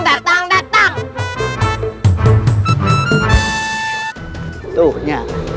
datang datang datang